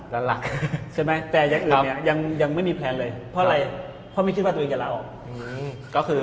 แต่อย่างอื่นเนี่ยยังไม่มีแพลนเลยเพราะไม่คิดว่าตัวเองจะลาออก